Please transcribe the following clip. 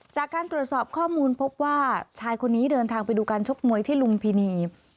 จากการตรวจสอบข้อมูลพบว่าชายคนนี้เดินทางไปดูการชกมวยที่ลุมพินี